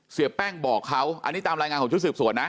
เสียแป้งบอกเขาอันนี้ตามรายงานของชุดสืบสวนนะ